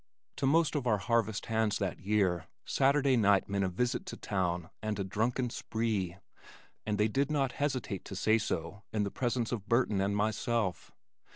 To most of our harvest hands that year Saturday night meant a visit to town and a drunken spree, and they did not hesitate to say so in the presence of Burton and myself.